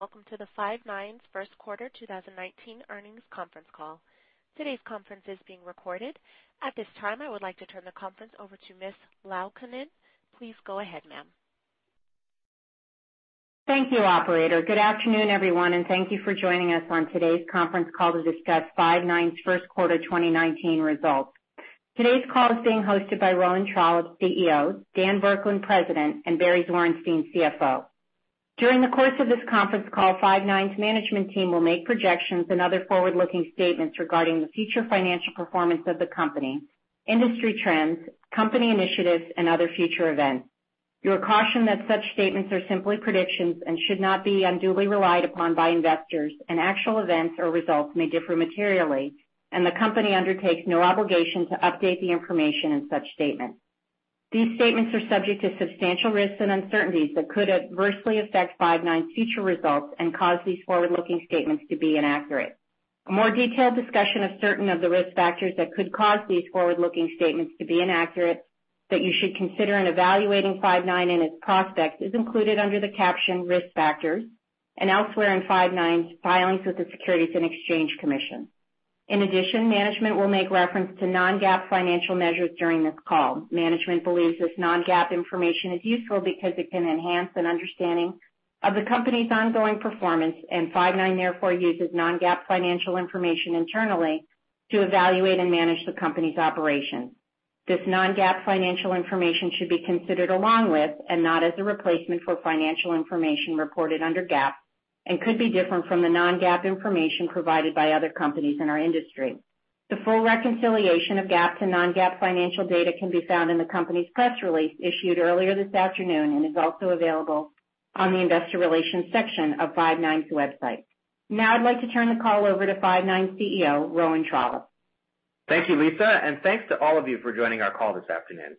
Welcome to the Five9's first quarter 2019 earnings conference call. Today's conference is being recorded. At this time, I would like to turn the conference over to Ms. Laukkanen. Please go ahead, ma'am. Thank you, operator. Good afternoon, everyone, thank you for joining us on today's conference call to discuss Five9's first quarter 2019 results. Today's call is being hosted by Rowan Trollope, CEO, Dan Burkland, President, and Barry Zwarenstein, CFO. During the course of this conference call, Five9's management team will make projections and other forward-looking statements regarding the future financial performance of the company, industry trends, company initiatives, and other future events. You are cautioned that such statements are simply predictions and should not be unduly relied upon by investors, actual events or results may differ materially, and the company undertakes no obligation to update the information in such statements. These statements are subject to substantial risks and uncertainties that could adversely affect Five9's future results and cause these forward-looking statements to be inaccurate. A more detailed discussion of certain of the risk factors that could cause these forward-looking statements to be inaccurate that you should consider in evaluating Five9 and its prospects is included under the caption "Risk Factors" and elsewhere in Five9's filings with the Securities and Exchange Commission. In addition, management will make reference to non-GAAP financial measures during this call. Management believes this non-GAAP information is useful because it can enhance an understanding of the company's ongoing performance, Five9 therefore uses non-GAAP financial information internally to evaluate and manage the company's operations. This non-GAAP financial information should be considered along with, and not as a replacement for, financial information reported under GAAP and could be different from the non-GAAP information provided by other companies in our industry. The full reconciliation of GAAP to non-GAAP financial data can be found in the company's press release issued earlier this afternoon, is also available on the investor relations section of Five9's website. Now I'd like to turn the call over to Five9 CEO, Rowan Trollope. Thank you, Lisa, and thanks to all of you for joining our call this afternoon.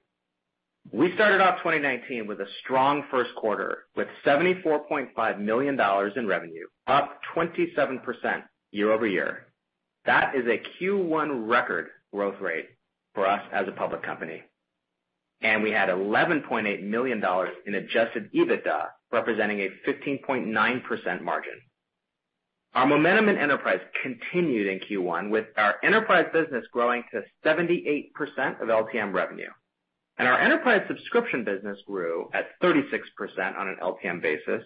We started off 2019 with a strong first quarter, with $74.5 million in revenue, up 27% year-over-year. That is a Q1 record growth rate for us as a public company. We had $11.8 million in adjusted EBITDA, representing a 15.9% margin. Our momentum in enterprise continued in Q1, with our enterprise business growing to 78% of LTM revenue. Our enterprise subscription business grew at 36% on an LTM basis,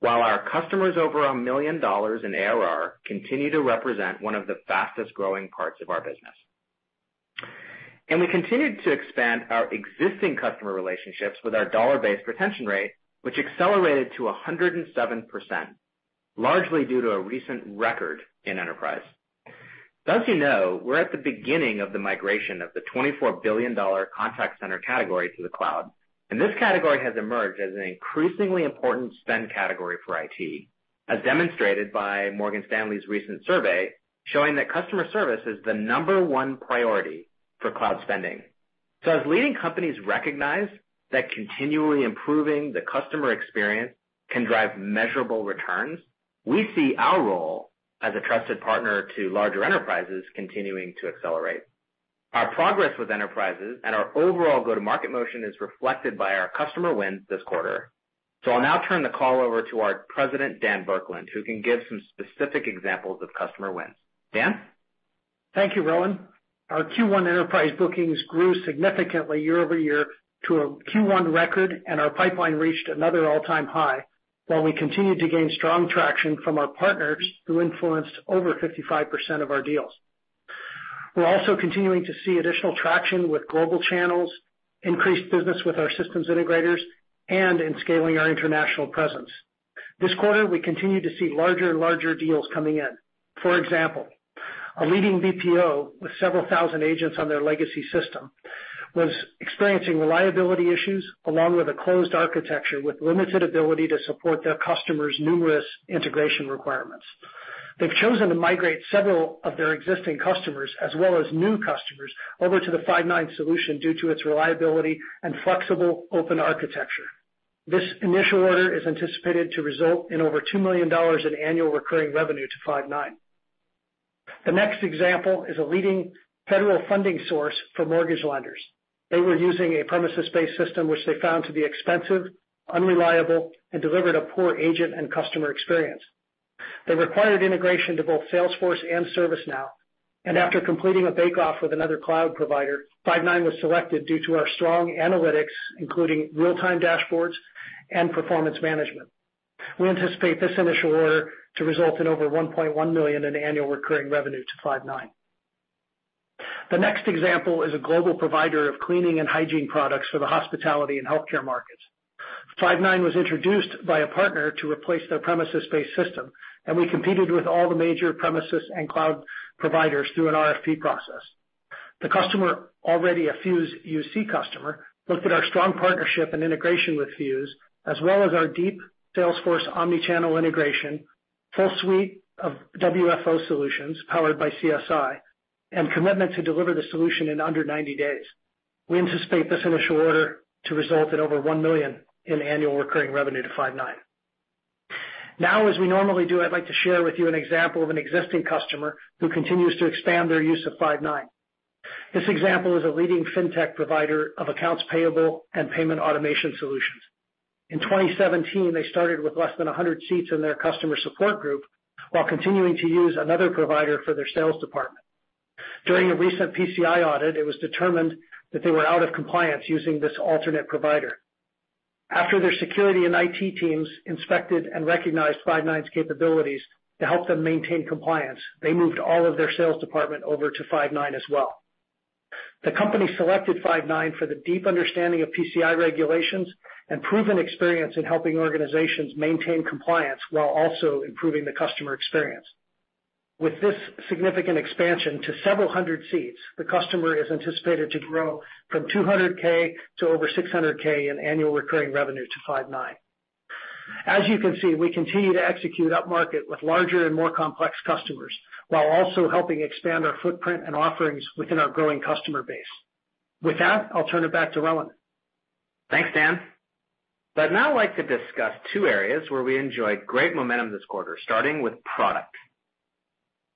while our customers over $1 million in ARR continue to represent one of the fastest-growing parts of our business. We continued to expand our existing customer relationships with our dollar-based retention rate, which accelerated to 107%, largely due to a recent record in enterprise. As you know, we're at the beginning of the migration of the $24 billion contact center category to the cloud, and this category has emerged as an increasingly important spend category for IT, as demonstrated by Morgan Stanley's recent survey showing that customer service is the number 1 priority for cloud spending. As leading companies recognize that continually improving the customer experience can drive measurable returns, we see our role as a trusted partner to larger enterprises continuing to accelerate. Our progress with enterprises and our overall go-to-market motion is reflected by our customer wins this quarter. I'll now turn the call over to our President, Dan Burkland, who can give some specific examples of customer wins. Dan? Thank you, Rowan. Our Q1 enterprise bookings grew significantly year-over-year to a Q1 record, and our pipeline reached another all-time high, while we continued to gain strong traction from our partners, who influenced over 55% of our deals. We're also continuing to see additional traction with global channels, increased business with our systems integrators, and in scaling our international presence. This quarter, we continue to see larger and larger deals coming in. For example, a leading BPO with several thousand agents on their legacy system was experiencing reliability issues, along with a closed architecture with limited ability to support their customers' numerous integration requirements. They've chosen to migrate several of their existing customers, as well as new customers, over to the Five9 solution due to its reliability and flexible open architecture. This initial order is anticipated to result in over $2 million in annual recurring revenue to Five9. The next example is a leading federal funding source for mortgage lenders. They were using a premises-based system, which they found to be expensive, unreliable, and delivered a poor agent and customer experience. They required integration to both Salesforce and ServiceNow, and after completing a bake-off with another cloud provider, Five9 was selected due to our strong analytics, including real-time dashboards and performance management. We anticipate this initial order to result in over $1.1 million in annual recurring revenue to Five9. The next example is a global provider of cleaning and hygiene products for the hospitality and healthcare markets. Five9 was introduced by a partner to replace their premises-based system, and we competed with all the major premises and cloud providers through an RFP process. The customer, already a Fuze UC customer, looked at our strong partnership and integration with Fuze, as well as our deep Salesforce omni-channel integration, full suite of WFO solutions powered by CSI, and commitment to deliver the solution in under 90 days. We anticipate this initial order to result in over $1 million in annual recurring revenue to Five9. Now, as we normally do, I'd like to share with you an example of an existing customer who continues to expand their use of Five9. This example is a leading fintech provider of accounts payable and payment automation solutions. In 2017, they started with less than 100 seats in their customer support group while continuing to use another provider for their sales department. During a recent PCI audit, it was determined that they were out of compliance using this alternate provider. After their security and IT teams inspected and recognized Five9's capabilities to help them maintain compliance, they moved all of their sales department over to Five9 as well. The company selected Five9 for the deep understanding of PCI regulations and proven experience in helping organizations maintain compliance while also improving the customer experience. With this significant expansion to several hundred seats, the customer is anticipated to grow from $200,000 to over $600,000 in annual recurring revenue to Five9. As you can see, we continue to execute upmarket with larger and more complex customers while also helping expand our footprint and offerings within our growing customer base. With that, I'll turn it back to Rowan. Thanks, Dan. I'd now like to discuss two areas where we enjoy great momentum this quarter, starting with product.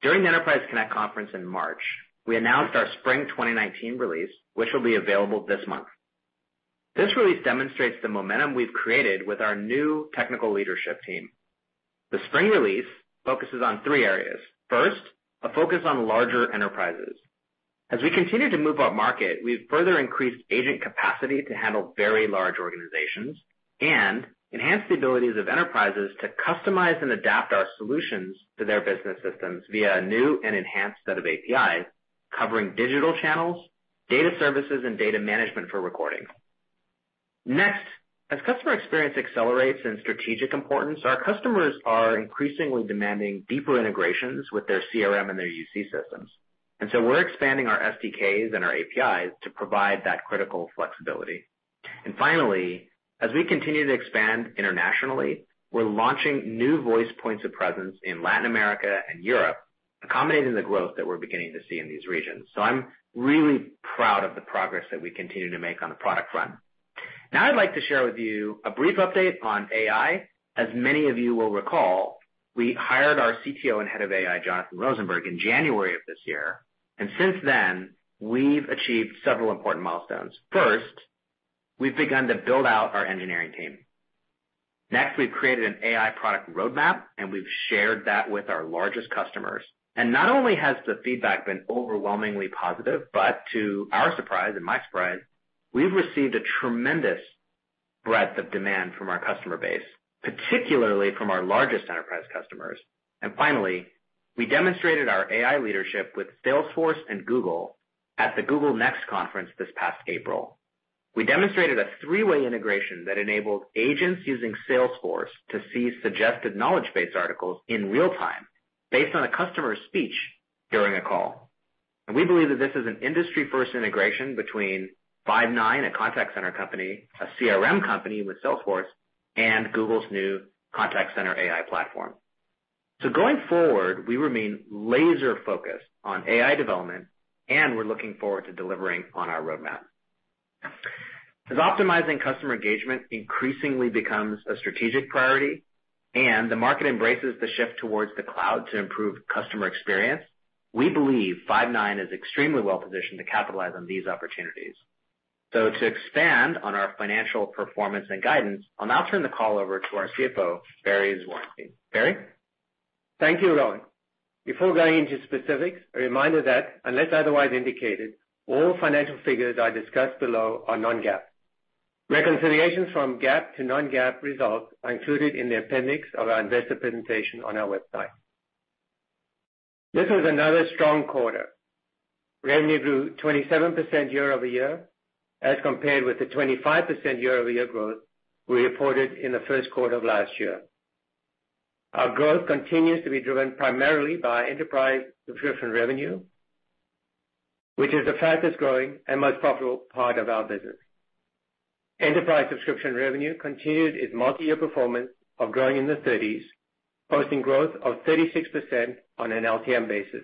During the Enterprise Connect conference in March, we announced our spring 2019 release, which will be available this month. This release demonstrates the momentum we've created with our new technical leadership team. The spring release focuses on three areas. First, a focus on larger enterprises. As we continue to move up market, we've further increased agent capacity to handle very large organizations and enhanced the abilities of enterprises to customize and adapt our solutions to their business systems via a new and enhanced set of APIs covering digital channels, data services, and data management for recording. As customer experience accelerates in strategic importance, our customers are increasingly demanding deeper integrations with their CRM and their UC systems. We're expanding our SDKs and our APIs to provide that critical flexibility. Finally, as we continue to expand internationally, we're launching new voice points of presence in Latin America and Europe, accommodating the growth that we're beginning to see in these regions. I'm really proud of the progress that we continue to make on the product front. Now I'd like to share with you a brief update on AI. As many of you will recall, we hired our CTO and Head of AI, Jonathan Rosenberg, in January of this year. Since then, we've achieved several important milestones. First, we've begun to build out our engineering team. We've created an AI product roadmap, and we've shared that with our largest customers. Not only has the feedback been overwhelmingly positive, to our surprise and my surprise, we've received a tremendous breadth of demand from our customer base, particularly from our largest enterprise customers. Finally, we demonstrated our AI leadership with Salesforce and Google at the Google Next conference this past April. We demonstrated a three-way integration that enabled agents using Salesforce to see suggested knowledge base articles in real time based on a customer's speech during a call. We believe that this is an industry-first integration between Five9, a contact center company, a CRM company with Salesforce, and Google's new Contact Center AI platform. Going forward, we remain laser-focused on AI development, and we're looking forward to delivering on our roadmap. As optimizing customer engagement increasingly becomes a strategic priority and the market embraces the shift towards the cloud to improve customer experience, we believe Five9 is extremely well-positioned to capitalize on these opportunities. To expand on our financial performance and guidance, I'll now turn the call over to our CFO, Barry Zwarenstein. Barry? Thank you, Rowan. Before going into specifics, a reminder that unless otherwise indicated, all financial figures I discuss below are non-GAAP. Reconciliations from GAAP to non-GAAP results are included in the appendix of our investor presentation on our website. This was another strong quarter. Revenue grew 27% year-over-year as compared with the 25% year-over-year growth we reported in the first quarter of last year. Our growth continues to be driven primarily by enterprise subscription revenue, which is the fastest-growing and most profitable part of our business. Enterprise subscription revenue continued its multi-year performance of growing in the 30s, posting growth of 36% on an LTM basis.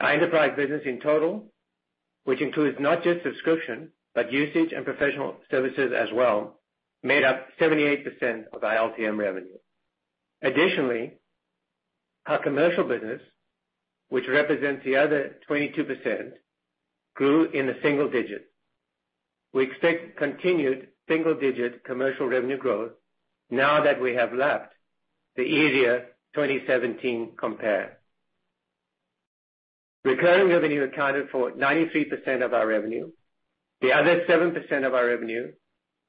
Our enterprise business in total, which includes not just subscription, but usage and professional services as well, made up 78% of our LTM revenue. Additionally, our commercial business, which represents the other 22%, grew in the single digits. We expect continued single-digit commercial revenue growth now that we have lapped the easier 2017 compare. Recurring revenue accounted for 93% of our revenue. The other 7% of our revenue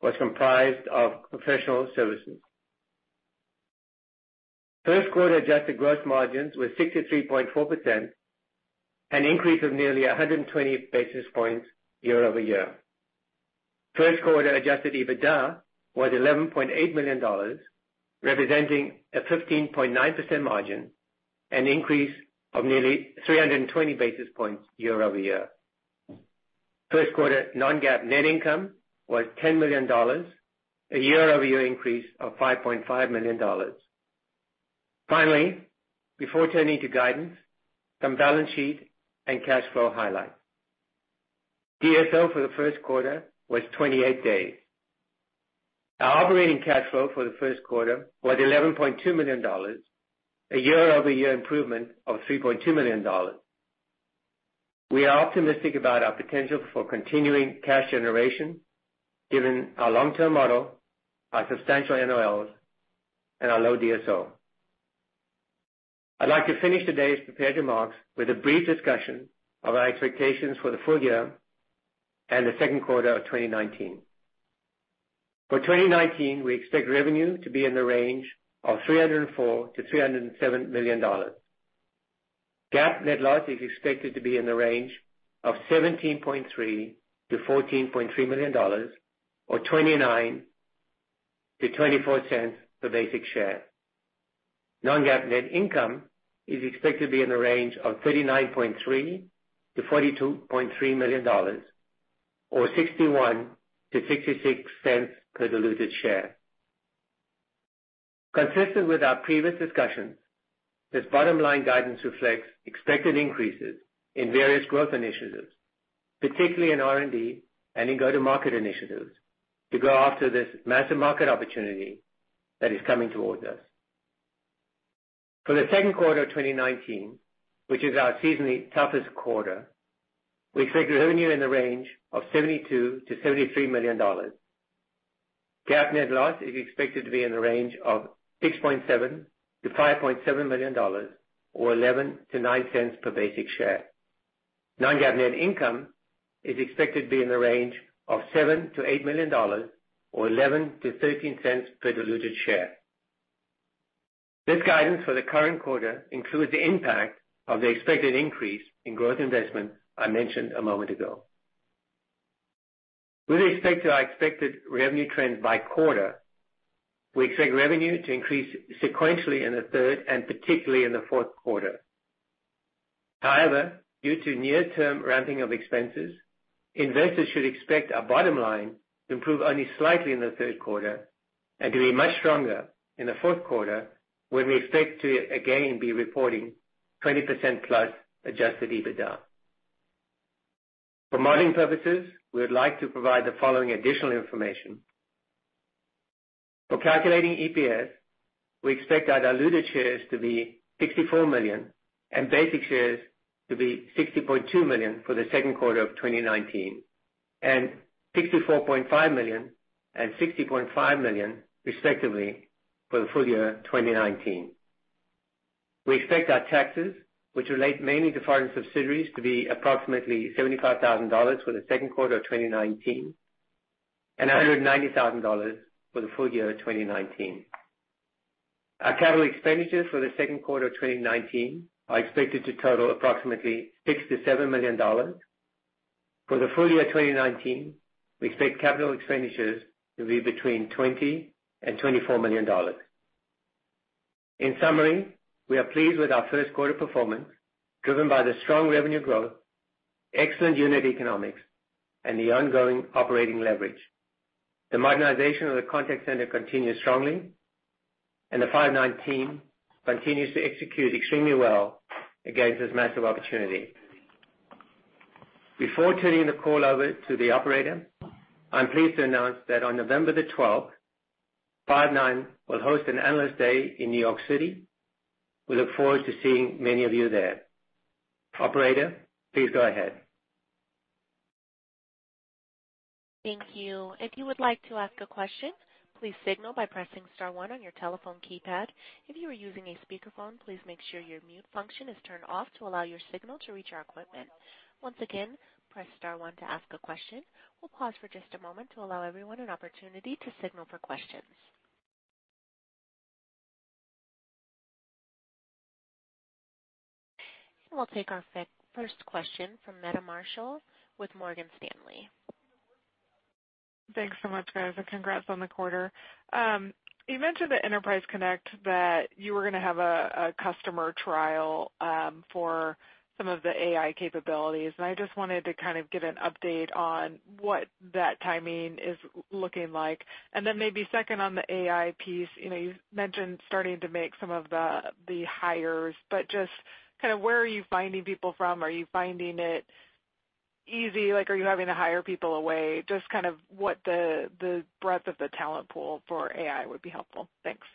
was comprised of professional services. First quarter adjusted gross margins were 63.4%, an increase of nearly 120 basis points year-over-year. First quarter adjusted EBITDA was $11.8 million, representing a 15.9% margin, an increase of nearly 320 basis points year-over-year. First quarter non-GAAP net income was $10 million, a year-over-year increase of $5.5 million. Finally, before turning to guidance, some balance sheet and cash flow highlights. DSO for the first quarter was 28 days. Our operating cash flow for the first quarter was $11.2 million, a year-over-year improvement of $3.2 million. We are optimistic about our potential for continuing cash generation given our long-term model, our substantial NOLs, and our low DSO. I'd like to finish today's prepared remarks with a brief discussion of our expectations for the full year and the second quarter of 2019. For 2019, we expect revenue to be in the range of $304 million-$307 million. GAAP net loss is expected to be in the range of $17.3 million-$14.3 million or $0.29-$0.24 per basic share. Non-GAAP net income is expected to be in the range of $39.3 million-$42.3 million or $0.61-$0.66 per diluted share. Consistent with our previous discussions, this bottom-line guidance reflects expected increases in various growth initiatives, particularly in R&D and in go-to-market initiatives to go after this massive market opportunity that is coming towards us. For the second quarter of 2019, which is our seasonally toughest quarter, we expect revenue in the range of $72 million-$73 million. GAAP net loss is expected to be in the range of $6.7 million-$5.7 million or $0.11-$0.09 per basic share. Non-GAAP net income is expected to be in the range of $7 million-$8 million or $0.11-$0.13 per diluted share. This guidance for the current quarter includes the impact of the expected increase in growth investment I mentioned a moment ago. With respect to our expected revenue trends by quarter, we expect revenue to increase sequentially in the third and particularly in the fourth quarter. Due to near-term ramping of expenses, investors should expect our bottom line to improve only slightly in the third quarter and to be much stronger in the fourth quarter, when we expect to again be reporting 20%+ adjusted EBITDA. For modeling purposes, we would like to provide the following additional information. For calculating EPS, we expect our diluted shares to be 64 million and basic shares to be 60.2 million for the second quarter of 2019 and 64.5 million and 60.5 million, respectively, for the full year 2019. We expect our taxes, which relate mainly to foreign subsidiaries, to be approximately $75,000 for the second quarter of 2019 and $190,000 for the full year 2019. Our capital expenditures for the second quarter 2019 are expected to total approximately $6 million-$7 million. For the full year 2019, we expect capital expenditures to be between $20 million and $24 million. In summary, we are pleased with our first quarter performance, driven by the strong revenue growth, excellent unit economics, and the ongoing operating leverage. The modernization of the contact center continues strongly, and the Five9 team continues to execute extremely well against this massive opportunity. Before turning the call over to the operator, I'm pleased to announce that on November the 12th, Five9 will host an Analyst Day in New York City. We look forward to seeing many of you there. Operator, please go ahead. Thank you. If you would like to ask a question, please signal by pressing star one on your telephone keypad. If you are using a speakerphone, please make sure your mute function is turned off to allow your signal to reach our equipment. Once again, press star one to ask a question. We'll pause for just a moment to allow everyone an opportunity to signal for questions. We'll take our first question from Meta Marshall with Morgan Stanley. Thanks so much, guys, and congrats on the quarter. You mentioned at Enterprise Connect that you were going to have a customer trial for some of the AI capabilities, I just wanted to kind of get an update on what that timing is looking like. Maybe second on the AI piece, you mentioned starting to make some of the hires, but just where are you finding people from? Are you finding it easy? Are you having to hire people away? Just what the breadth of the talent pool for AI would be helpful. Thanks.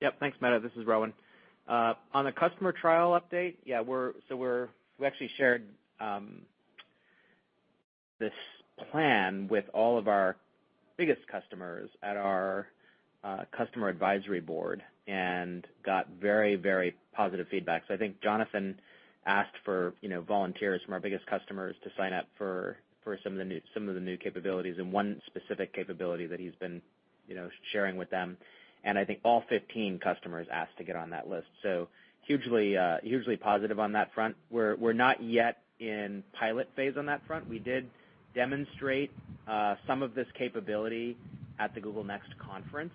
Yep. Thanks, Meta. This is Rowan. On the customer trial update, yeah, we actually shared this plan with all of our biggest customers at our customer advisory board and got very positive feedback. I think Jonathan asked for volunteers from our biggest customers to sign up for some of the new capabilities and one specific capability that he's been sharing with them. I think all 15 customers asked to get on that list. Hugely positive on that front. We're not yet in pilot phase on that front. We did demonstrate some of this capability at the Google Next conference.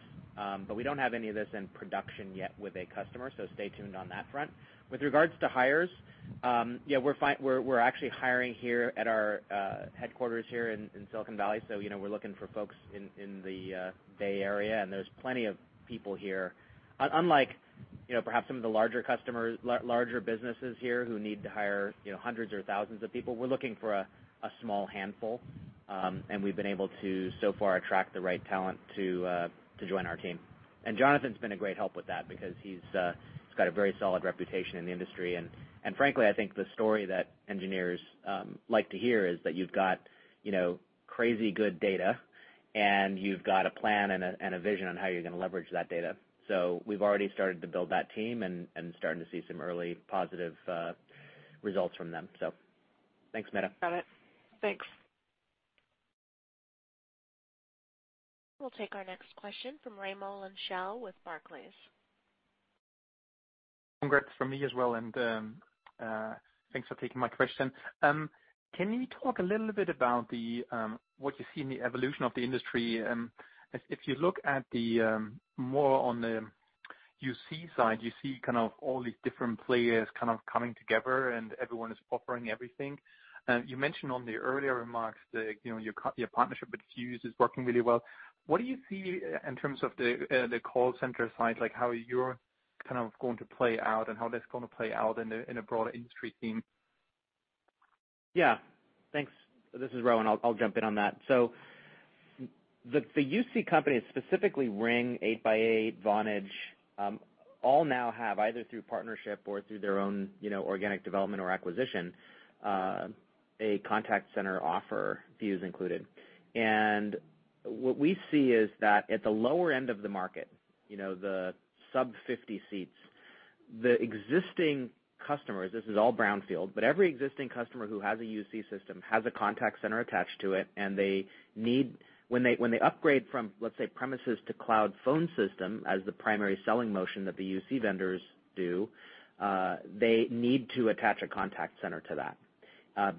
We don't have any of this in production yet with a customer, so stay tuned on that front. With regards to hires, yeah, we're actually hiring here at our headquarters here in Silicon Valley. We're looking for folks in the Bay Area, and there's plenty of people here. Unlike Perhaps some of the larger businesses here who need to hire hundreds or thousands of people. We're looking for a small handful, and we've been able to so far attract the right talent to join our team. Jonathan's been a great help with that because he's got a very solid reputation in the industry, frankly, I think the story that engineers like to hear is that you've got crazy good data, and you've got a plan and a vision on how you're going to leverage that data. We've already started to build that team and starting to see some early positive results from them. Thanks, Meta. Got it. Thanks. We'll take our next question from Raimo Lenschow with Barclays. Congrats from me as well. Thanks for taking my question. Can you talk a little bit about what you see in the evolution of the industry? If you look at the more on the UC side, you see kind of all these different players kind of coming together. Everyone is offering everything. You mentioned on the earlier remarks that your partnership with Fuze is working really well. What do you see in terms of the call center side, like how you're kind of going to play out and how that's going to play out in a broader industry theme? Yeah. Thanks. This is Rowan. I'll jump in on that. The UC companies, specifically RingCentral, 8x8, Vonage, all now have either through partnership or through their own organic development or acquisition, a contact center offer, Five9's included. What we see is that at the lower end of the market, the sub 50 seats, the existing customers, this is all brownfield, but every existing customer who has a UC system has a contact center attached to it, and when they upgrade from, let's say, premises to cloud phone system as the primary selling motion that the UC vendors do, they need to attach a contact center to that,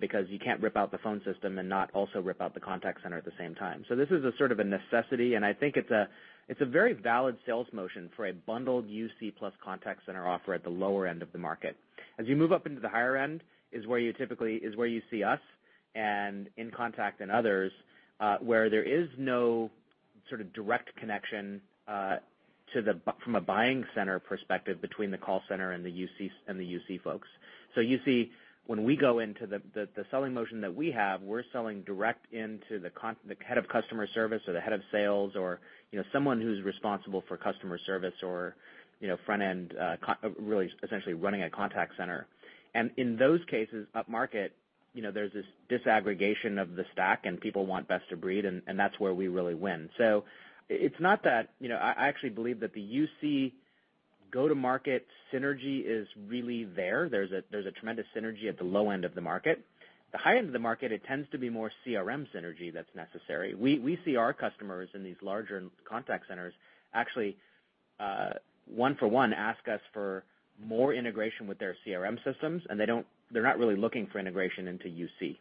because you can't rip out the phone system and not also rip out the contact center at the same time. This is a sort of a necessity, I think it's a very valid sales motion for a bundled UC plus contact center offer at the lower end of the market. You move up into the higher end is where you see us and inContact and others, where there is no sort of direct connection from a buying center perspective between the call center and the UC folks. You see, when we go into the selling motion that we have, we're selling direct into the head of customer service or the head of sales or someone who's responsible for customer service or front end, really essentially running a contact center. In those cases, upmarket, there's this disaggregation of the stack, People want best of breed, and that's where we really win. I actually believe that the UC go-to-market synergy is really there. There's a tremendous synergy at the low end of the market. The high end of the market, it tends to be more CRM synergy that's necessary. We see our customers in these larger contact centers actually, one for one, ask us for more integration with their CRM systems, and they're not really looking for integration into UC.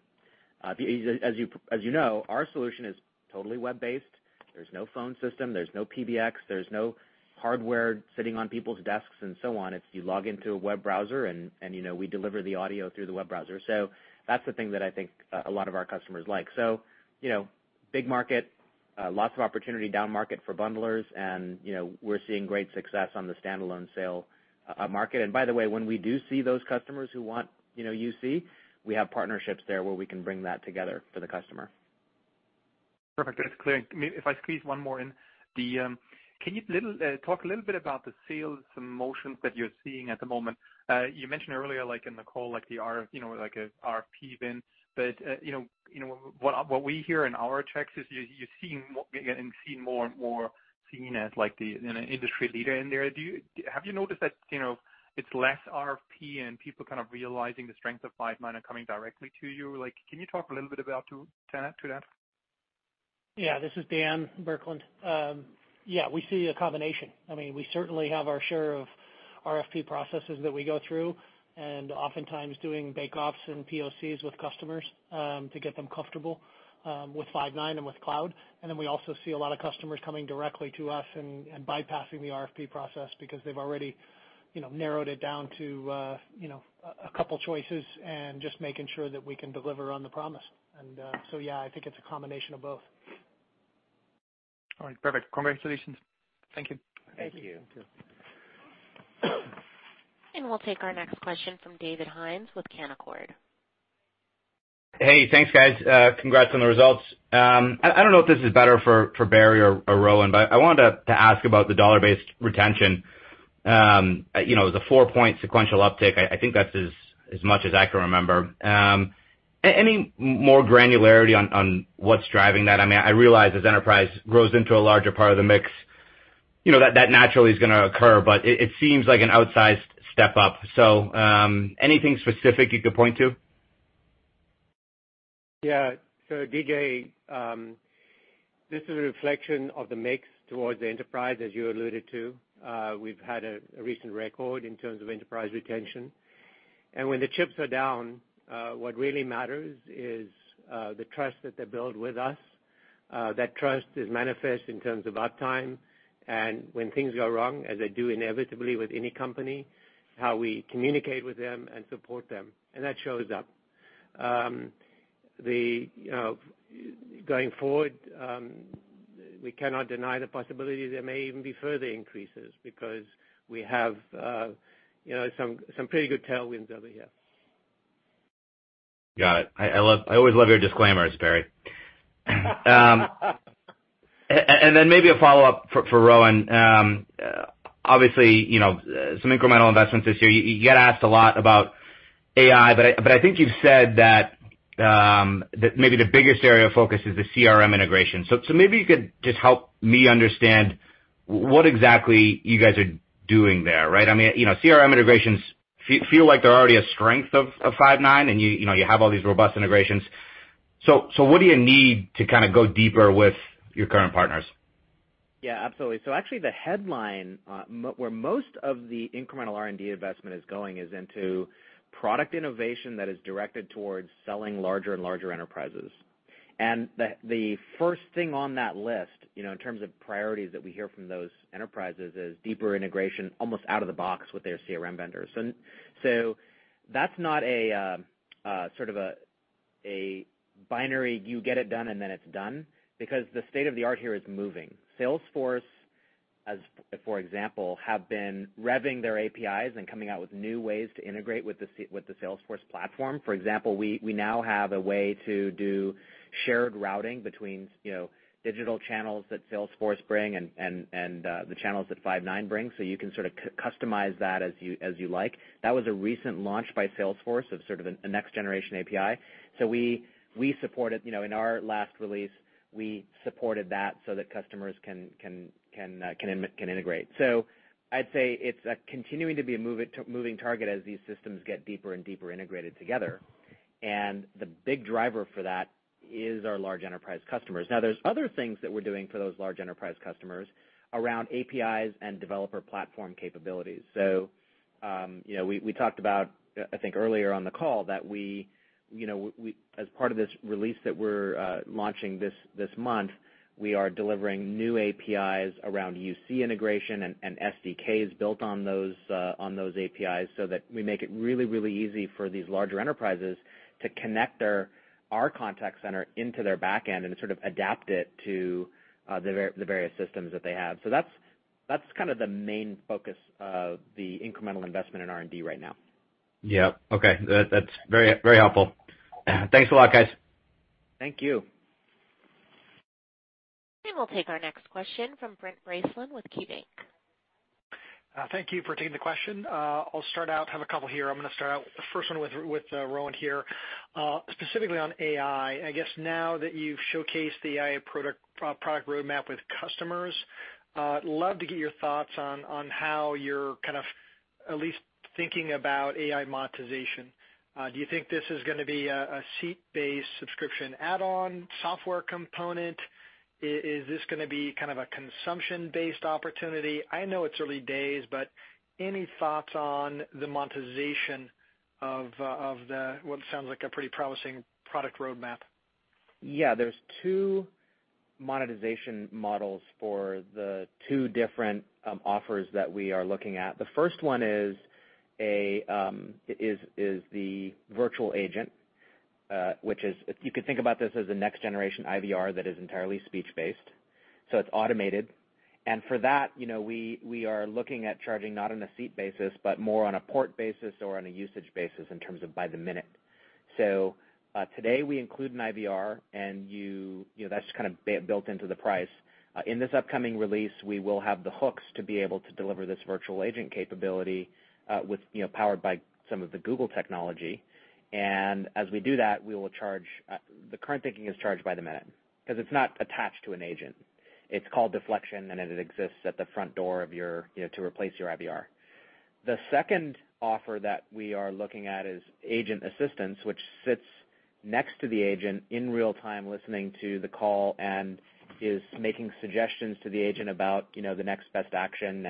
As you know, our solution is totally web-based. There's no phone system, there's no PBX, there's no hardware sitting on people's desks and so on. You log into a web browser and we deliver the audio through the web browser. That's the thing that I think a lot of our customers like. Big market, lots of opportunity down market for bundlers, and we're seeing great success on the standalone sale market. By the way, when we do see those customers who want UC, we have partnerships there where we can bring that together for the customer. Perfect. That's clear. If I squeeze one more in. Can you talk a little bit about the sales motions that you're seeing at the moment? You mentioned earlier, like in the call, like the RFP win. What we hear in our checks is you're being seen more and more as like the industry leader in there. Have you noticed that it's less RFP and people kind of realizing the strength of Five9 and coming directly to you? Can you talk a little bit to that? Yeah. This is Dan Burkland. Yeah, we see a combination. We certainly have our share of RFP processes that we go through, and oftentimes doing bake offs and POCs with customers, to get them comfortable with Five9 and with cloud. We also see a lot of customers coming directly to us and bypassing the RFP process because they've already narrowed it down to a couple of choices and just making sure that we can deliver on the promise. Yeah, I think it's a combination of both. All right. Perfect. Congratulations. Thank you. Thank you. Thank you. We'll take our next question from David Hynes with Canaccord. Hey, thanks, guys. Congrats on the results. I don't know if this is better for Barry or Rowan, but I wanted to ask about the dollar-based retention. It was a four-point sequential uptick. I think that's as much as I can remember. Any more granularity on what's driving that? I realize as enterprise grows into a larger part of the mix, that naturally is going to occur, but it seems like an outsized step up. Anything specific you could point to? Yeah. DJ, this is a reflection of the mix towards the enterprise, as you alluded to. We've had a recent record in terms of enterprise retention. When the chips are down, what really matters is the trust that they build with us. That trust is manifest in terms of uptime. When things go wrong, as they do inevitably with any company, how we communicate with them and support them, and that shows up Going forward, we cannot deny the possibility there may even be further increases because we have some pretty good tailwinds over here. Got it. I always love your disclaimers, Barry. Then maybe a follow-up for Rowan. Obviously, some incremental investments this year. You get asked a lot about AI, but I think you've said that maybe the biggest area of focus is the CRM integration. Maybe you could just help me understand what exactly you guys are doing there, right? I mean, CRM integrations feel like they're already a strength of Five9, and you have all these robust integrations. What do you need to kind of go deeper with your current partners? Yeah, absolutely. Actually the headline, where most of the incremental R&D investment is going is into product innovation that is directed towards selling larger and larger enterprises. The first thing on that list, in terms of priorities that we hear from those enterprises, is deeper integration almost out of the box with their CRM vendors. That's not a sort of a binary, you get it done and then it's done, because the state-of-the-art here is moving. Salesforce, as for example, have been revving their APIs and coming out with new ways to integrate with the Salesforce platform. For example, we now have a way to do shared routing between digital channels that Salesforce bring and the channels that Five9 bring, so you can sort of customize that as you like. That was a recent launch by Salesforce of sort of a next-generation API. We supported, in our last release, we supported that so that customers can integrate. I'd say it's continuing to be a moving target as these systems get deeper and deeper integrated together. The big driver for that is our large enterprise customers. Now there's other things that we're doing for those large enterprise customers around APIs and developer platform capabilities. We talked about, I think earlier on the call, that as part of this release that we're launching this month, we are delivering new APIs around UC integration and SDKs built on those APIs so that we make it really, really easy for these larger enterprises to connect our contact center into their back end and sort of adapt it to the various systems that they have. That's kind of the main focus of the incremental investment in R&D right now. Yeah. Okay. That's very helpful. Thanks a lot, guys. Thank you. We'll take our next question from Brent Bracelin with KeyBanc. Thank you for taking the question. I'll start out, have a couple here. I'm gonna start out the first one with Rowan here, specifically on AI. I guess now that you've showcased the AI product roadmap with customers, love to get your thoughts on how you're kind of at least thinking about AI monetization. Do you think this is gonna be a seat-based subscription add-on software component? Is this gonna be kind of a consumption-based opportunity? I know it's early days, but any thoughts on the monetization of the, what sounds like a pretty promising product roadmap? Yeah. There's two monetization models for the two different offers that we are looking at. The first one is the virtual agent, which is, you could think about this as a next-generation IVR that is entirely speech-based, so it's automated. For that, we are looking at charging not on a seat basis, but more on a port basis or on a usage basis in terms of by the minute. Today we include an IVR, and that's kind of built into the price. In this upcoming release, we will have the hooks to be able to deliver this virtual agent capability powered by some of the Google technology. As we do that, we will charge. The current thinking is charged by the minute, because it's not attached to an agent. It's called deflection, and it exists at the front door to replace your IVR. The second offer that we are looking at is agent assistance, which sits next to the agent in real time listening to the call and is making suggestions to the agent about the next best action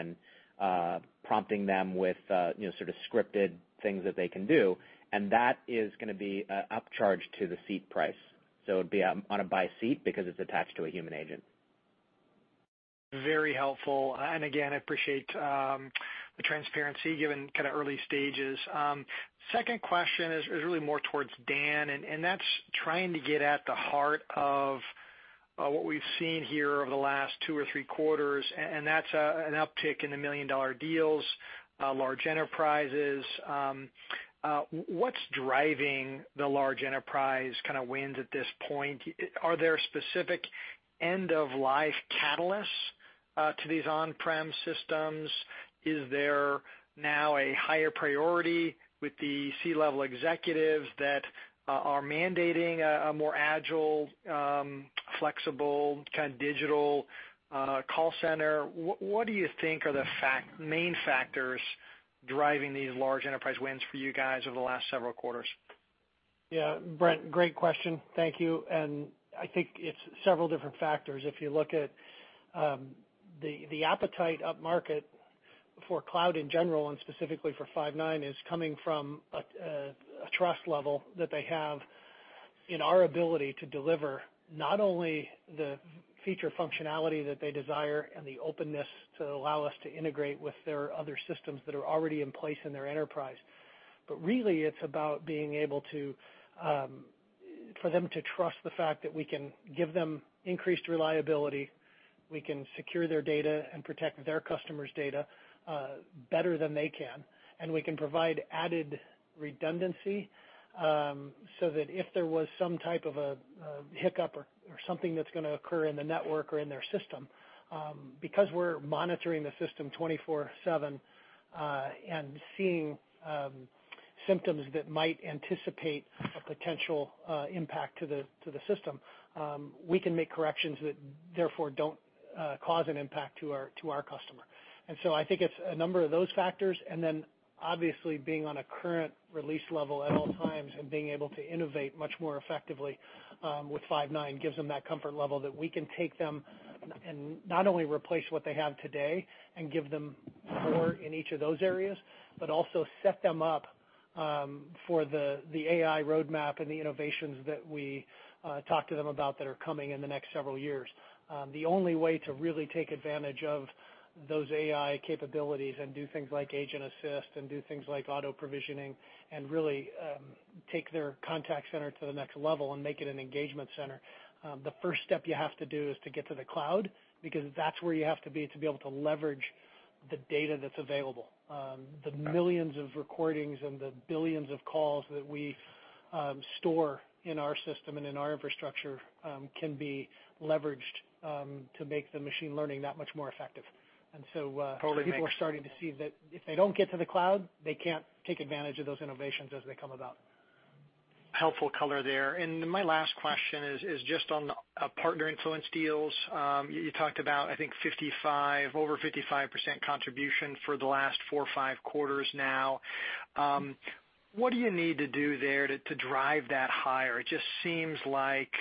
and prompting them with sort of scripted things that they can do, and that is gonna be an upcharge to the seat price. It'd be on a buy seat because it's attached to a human agent. Very helpful. Again, I appreciate the transparency given kind of early stages. Second question is really more towards Dan, and that's trying to get at the heart of what we've seen here over the last two or three quarters, and that's an uptick in the million-dollar deals, large enterprises. What's driving the large enterprise kind of wins at this point? Are there specific end-of-life catalysts to these on-prem systems? Is there now a higher priority with the C-level executives that are mandating a more agile, flexible kind of digital call center? What do you think are the main factors driving these large enterprise wins for you guys over the last several quarters? Yeah. Brent, great question. Thank you. I think it's several different factors. If you look at the appetite upmarket for cloud in general, and specifically for Five9, is coming from a trust level that they have in our ability to deliver not only the feature functionality that they desire and the openness to allow us to integrate with their other systems that are already in place in their enterprise, but really it's about being able for them to trust the fact that we can give them increased reliability, we can secure their data and protect their customers' data better than they can, and we can provide added redundancy, so that if there was some type of a hiccup or something that's going to occur in the network or in their system, because we're monitoring the system 24 seven, and seeing symptoms that might anticipate a potential impact to the system, we can make corrections that therefore don't cause an impact to our customer. I think it's a number of those factors, and then obviously being on a current release level at all times and being able to innovate much more effectively, with Five9 gives them that comfort level that we can take them and not only replace what they have today and give them more in each of those areas, but also set them up for the AI roadmap and the innovations that we talk to them about that are coming in the next several years. The only way to really take advantage of those AI capabilities and do things like agent assist, and do things like auto-provisioning and really take their contact center to the next level and make it an engagement center, the first step you have to do is to get to the cloud, because that's where you have to be to be able to leverage the data that's available. The millions of recordings and the billions of calls that we store in our system and in our infrastructure, can be leveraged to make the machine learning that much more effective. Totally makes- people are starting to see that if they don't get to the cloud, they can't take advantage of those innovations as they come about. Helpful color there. My last question is just on partner influence deals. You talked about, I think, over 55% contribution for the last four or five quarters now. What do you need to do there to drive that higher? It just seems like,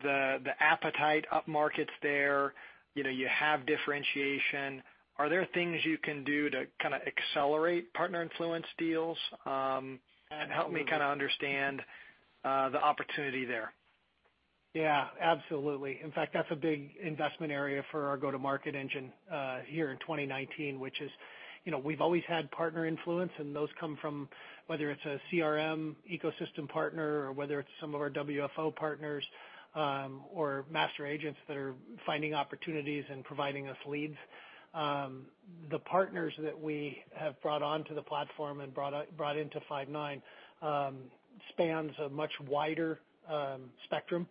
the appetite upmarket's there. You have differentiation. Are there things you can do to accelerate partner influence deals? Help me understand the opportunity there. Yeah, absolutely. In fact, that's a big investment area for our go-to-market engine here in 2019, which is, we've always had partner influence, and those come from, whether it's a CRM ecosystem partner or whether it's some of our WFO partners, or master agents that are finding opportunities and providing us leads. The partners that we have brought onto the platform and brought into Five9 spans a much wider spectrum.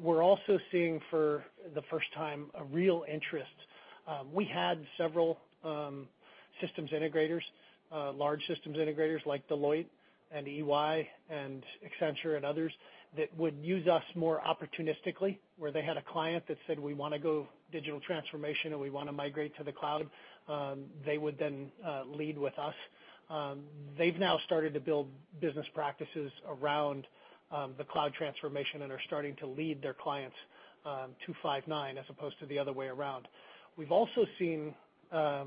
We're also seeing for the first time a real interest. We had several systems integrators, large systems integrators like Deloitte and EY and Accenture and others, that would use us more opportunistically, where they had a client that said, "We want to go digital transformation, and we want to migrate to the cloud." They would then lead with us. They've now started to build business practices around the cloud transformation and are starting to lead their clients to Five9, as opposed to the other way around. We've also seen a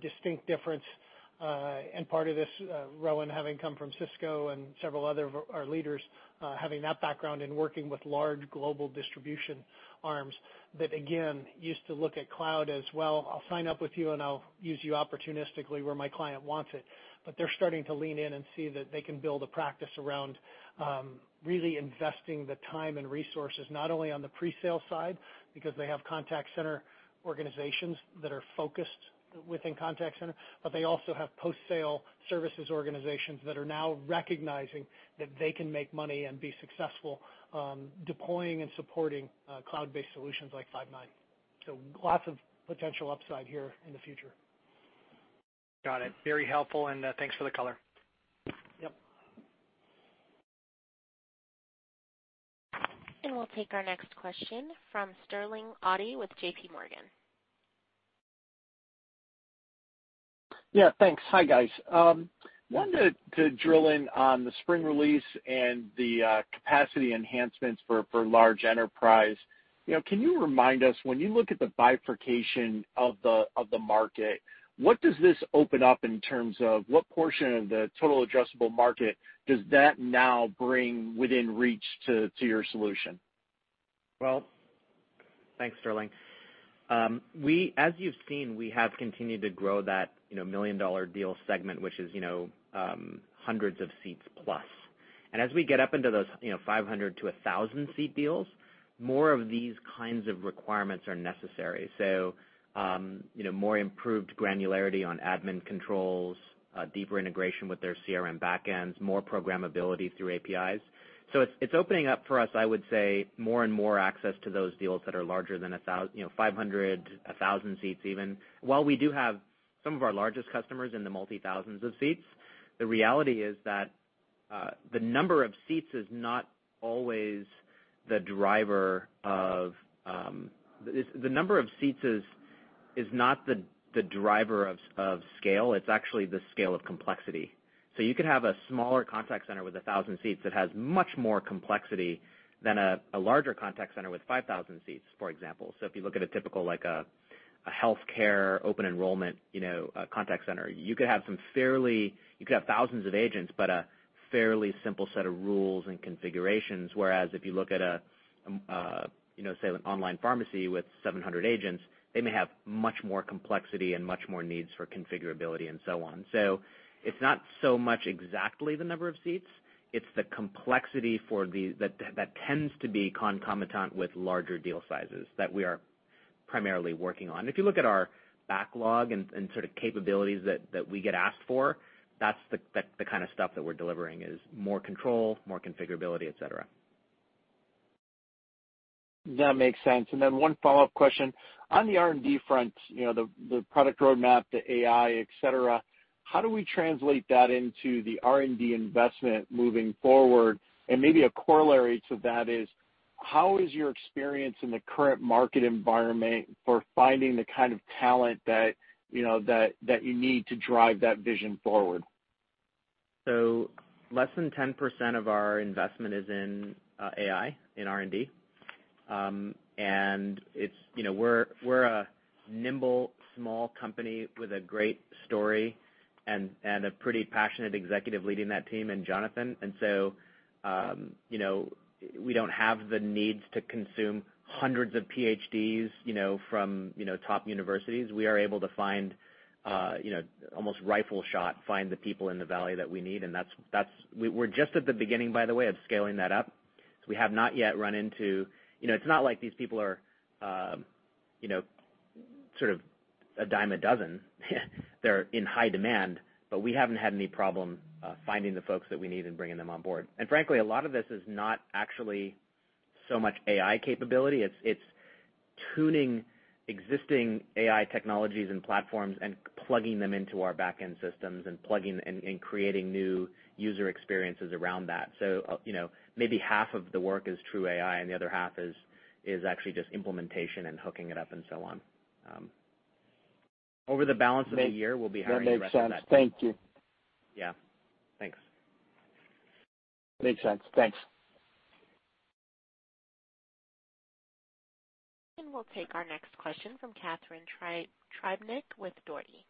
distinct difference, and part of this, Rowan, having come from Cisco and several other of our leaders, having that background in working with large global distribution arms that again used to look at cloud as, "Well, I'll sign up with you, and I'll use you opportunistically where my client wants it." They're starting to lean in and see that they can build a practice around really investing the time and resources, not only on the pre-sale side, because they have contact center organizations that are focused within contact center, but they also have post-sale services organizations that are now recognizing that they can make money and be successful deploying and supporting cloud-based solutions like Five9. lots of potential upside here in the future. Got it. Very helpful, and thanks for the color. Yep. We'll take our next question from Sterling Auty with J.P. Morgan. Yeah, thanks. Hi, guys. Wanted to drill in on the spring release and the capacity enhancements for large enterprise. Can you remind us, when you look at the bifurcation of the market, what does this open up in terms of what portion of the total addressable market does that now bring within reach to your solution? Well, thanks, Sterling. As you've seen, we have continued to grow that million-dollar deal segment, which is hundreds of seats plus. As we get up into those 500 to 1,000 seat deals, more of these kinds of requirements are necessary. More improved granularity on admin controls, deeper integration with their CRM backends, more programmability through APIs. It's opening up for us, I would say, more and more access to those deals that are larger than 500, 1,000 seats even. While we do have some of our largest customers in the multi-thousands of seats, the reality is that the number of seats is not the driver of scale, it's actually the scale of complexity. You could have a smaller contact center with 1,000 seats that has much more complexity than a larger contact center with 5,000 seats, for example. If you look at a typical healthcare open enrollment contact center. You could have thousands of agents, but a fairly simple set of rules and configurations. Whereas if you look at, say, an online pharmacy with 700 agents, they may have much more complexity and much more needs for configurability and so on. It's not so much exactly the number of seats, it's the complexity that tends to be concomitant with larger deal sizes that we are primarily working on. If you look at our backlog and sort of capabilities that we get asked for, that's the kind of stuff that we're delivering is more control, more configurability, et cetera. That makes sense. Then one follow-up question. On the R&D front, the product roadmap, the AI, et cetera, how do we translate that into the R&D investment moving forward? Maybe a corollary to that is, how is your experience in the current market environment for finding the kind of talent that you need to drive that vision forward? Less than 10% of our investment is in AI, in R&D. We're a nimble, small company with a great story and a pretty passionate executive leading that team in Jonathan. We don't have the needs to consume hundreds of PhDs from top universities. We are able to almost rifle shot find the people in the valley that we need, and we're just at the beginning, by the way, of scaling that up. It's not like these people are sort of a dime a dozen. They're in high demand. We haven't had any problem finding the folks that we need and bringing them on board. Frankly, a lot of this is not actually so much AI capability. It's tuning existing AI technologies and platforms and plugging them into our back-end systems and creating new user experiences around that. Maybe half of the work is true AI, and the other half is actually just implementation and hooking it up and so on. Over the balance of the year, we'll be hiring the rest of that team. That makes sense. Thank you. Yeah. Thanks. Makes sense. Thanks. We'll take our next question from Catharine Trebnick with Dougherty.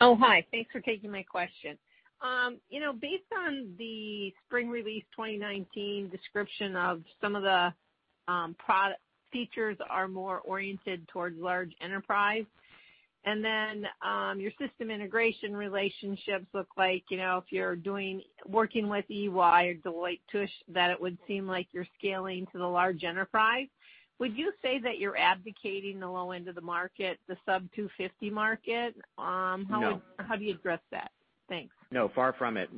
Oh, hi. Thanks for taking my question. Based on the spring release 2019 description of some of the product features are more oriented towards large enterprise, and then your system integration relationships look like if you're working with EY or Deloitte & Touche, that it would seem like you're scaling to the large enterprise. Would you say that you're abdicating the low end of the market, the sub 250 market? No. How do you address that? Thanks. No, far from it.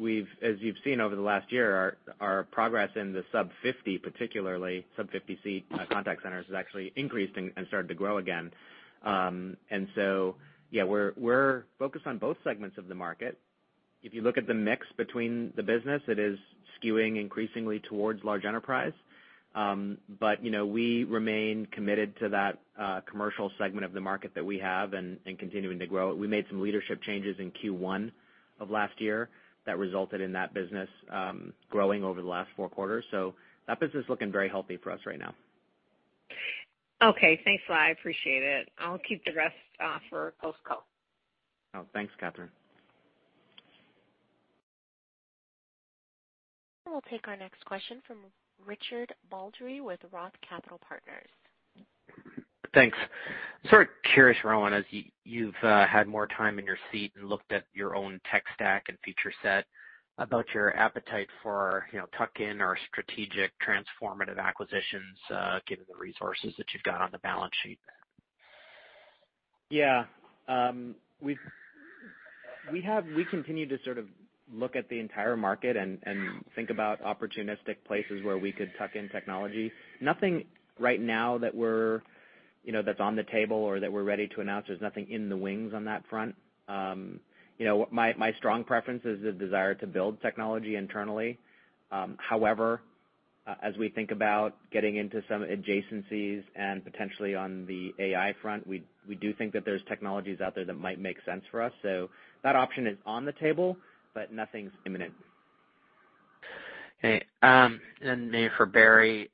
As you've seen over the last year, our progress in the sub 50, particularly sub 50 seat contact centers, has actually increased and started to grow again. Yeah, we're focused on both segments of the market. If you look at the mix between the business, it is skewing increasingly towards large enterprise. We remain committed to that commercial segment of the market that we have and continuing to grow. We made some leadership changes in Q1 of last year that resulted in that business growing over the last four quarters. That business is looking very healthy for us right now. Okay, thanks a lot. I appreciate it. I'll keep the rest for post-call. Oh, thanks, Catharine. We'll take our next question from Richard Baldry with Roth Capital Partners. Thanks. Sort of curious, Rowan, as you've had more time in your seat and looked at your own tech stack and feature set about your appetite for tuck-in or strategic transformative acquisitions, given the resources that you've got on the balance sheet. We continue to sort of look at the entire market and think about opportunistic places where we could tuck in technology. Nothing right now that's on the table or that we're ready to announce. There's nothing in the wings on that front. My strong preference is the desire to build technology internally. However, as we think about getting into some adjacencies and potentially on the AI front, we do think that there's technologies out there that might make sense for us. That option is on the table, but nothing's imminent. Okay. Maybe for Barry,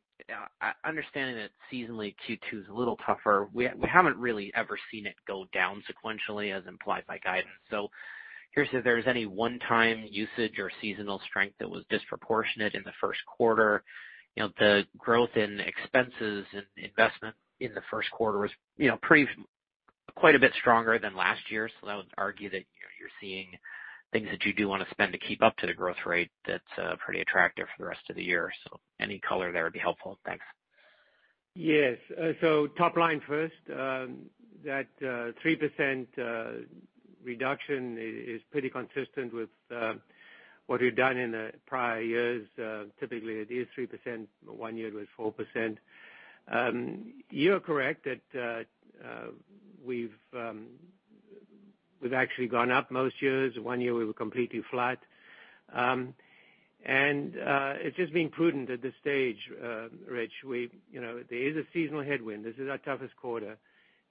understanding that seasonally Q2 is a little tougher, we haven't really ever seen it go down sequentially as implied by guidance. Here's if there's any one-time usage or seasonal strength that was disproportionate in the first quarter. The growth in expenses and investment in the first quarter was quite a bit stronger than last year's. I would argue that you're seeing things that you do want to spend to keep up to the growth rate that's pretty attractive for the rest of the year. Any color there would be helpful. Thanks. Yes. Top line first, that 3% reduction is pretty consistent with what we've done in the prior years. Typically, it is 3%. One year it was 4%. You are correct that we've actually gone up most years. One year we were completely flat. It's just being prudent at this stage, Rich. There is a seasonal headwind. This is our toughest quarter,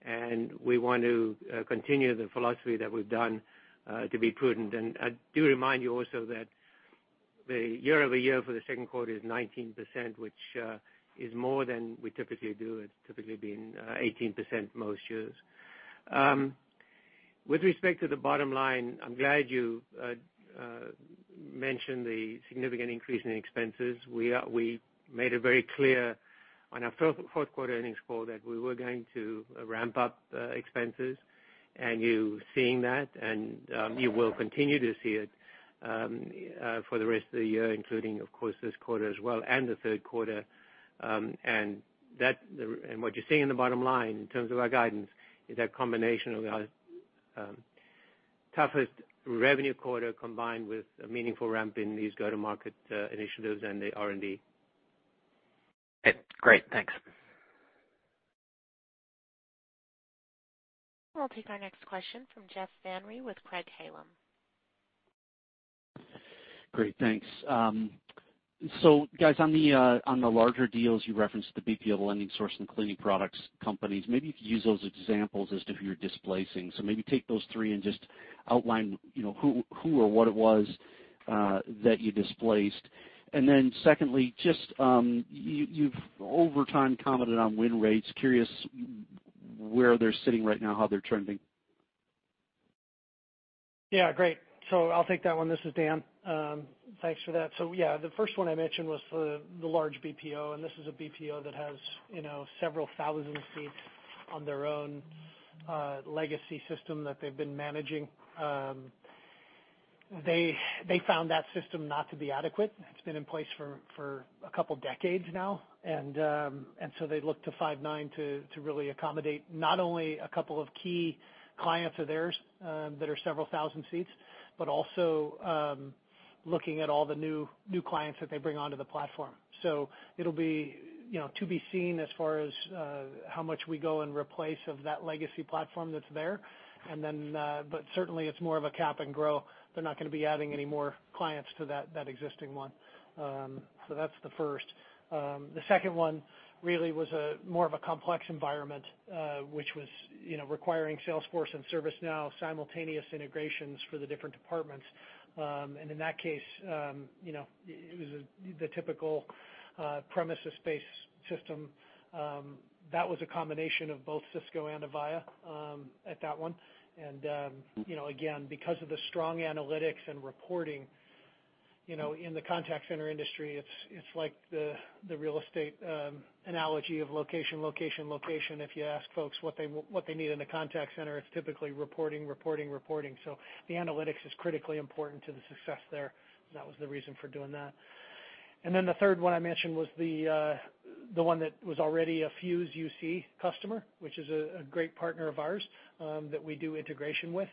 and we want to continue the philosophy that we've done to be prudent. I do remind you also that the year-over-year for the second quarter is 19%, which is more than we typically do. It's typically been 18% most years. With respect to the bottom line, I'm glad you mentioned the significant increase in expenses. We made it very clear on our fourth-quarter earnings call that we were going to ramp up expenses, and you're seeing that, and you will continue to see it for the rest of the year, including, of course, this quarter as well, and the third quarter. What you're seeing in the bottom line, in terms of our guidance, is a combination of our toughest revenue quarter combined with a meaningful ramp in these go-to-market initiatives and the R&D. Great. Thanks. We'll take our next question from Jeff Van Rhee with Craig-Hallum. Great, thanks. Guys, on the larger deals, you referenced the BPO lending source and cleaning products companies. Maybe if you use those examples as to who you're displacing. Maybe take those three and just outline who or what it was that you displaced. Secondly, you've over time commented on win rates. Curious where they're sitting right now, how they're trending. Yeah, great. I'll take that one. This is Dan. Thanks for that. Yeah, the first one I mentioned was the large BPO, and this is a BPO that has several thousand seats on their own legacy system that they've been managing. They found that system not to be adequate. It's been in place for a couple of decades now. They looked to Five9 to really accommodate not only a couple of key clients of theirs, that are several thousand seats, but also looking at all the new clients that they bring onto the platform. It'll be to be seen as far as how much we go and replace of that legacy platform that's there. Certainly, it's more of a cap and grow. They're not going to be adding any more clients to that existing one. That's the first. The second one really was more of a complex environment, which was requiring Salesforce and ServiceNow simultaneous integrations for the different departments. In that case, it was the typical premises-based system. That was a combination of both Cisco and Avaya at that one. Again, because of the strong analytics and reporting in the contact center industry, it's like the real estate analogy of location, location. If you ask folks what they need in a contact center, it's typically reporting, reporting. The analytics is critically important to the success there. That was the reason for doing that. Then the third one I mentioned was the one that was already a Fuze UC customer, which is a great partner of ours that we do integration with.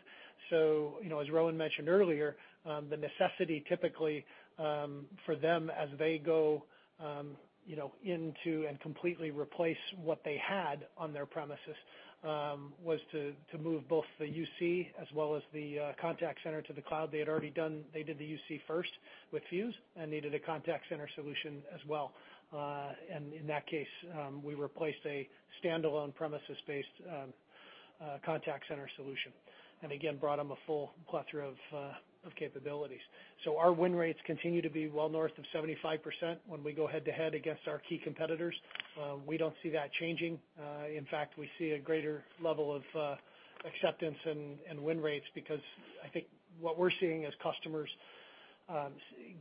As Rowan mentioned earlier, the necessity typically for them as they go into and completely replace what they had on their premises, was to move both the UC as well as the contact center to the cloud. They had already done the UC first with Fuze and needed a contact center solution as well. In that case, we replaced a standalone premises-based contact center solution, again brought them a full plethora of capabilities. Our win rates continue to be well north of 75% when we go head-to-head against our key competitors. We don't see that changing. In fact, we see a greater level of acceptance and win rates because I think what we're seeing is customers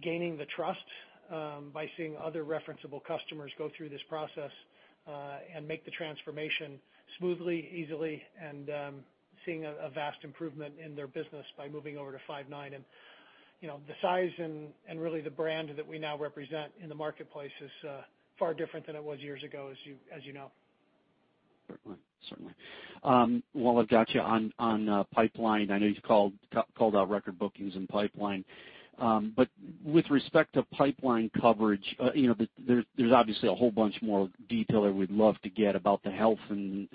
gaining the trust by seeing other referenceable customers go through this process, and make the transformation smoothly, easily, and seeing a vast improvement in their business by moving over to Five9. The size and really the brand that we now represent in the marketplace is far different than it was years ago, as you know. Certainly. While I've got you on pipeline, I know you called out record bookings and pipeline. With respect to pipeline coverage, there's obviously a whole bunch more detail I would love to get about the health and